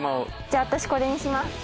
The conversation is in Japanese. じゃあ私これにします。